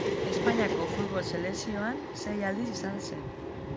Espainiako futbol selekzioan sei aldiz izan zen.